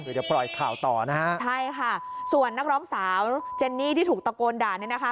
เดี๋ยวปล่อยข่าวต่อนะฮะใช่ค่ะส่วนนักร้องสาวเจนนี่ที่ถูกตะโกนด่าเนี่ยนะคะ